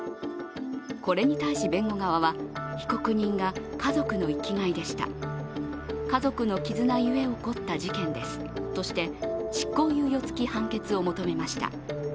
これに対し弁護側は、被告人が家族の生きがいでした、家族の絆ゆえ起こった事件ですとして執行猶予つき判決を求めました。